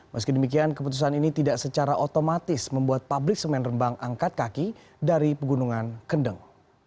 meski demikian keputusan ini tidak secara otomatis membuat pabrik semen rembang angkat kaki dari pegunungan kendeng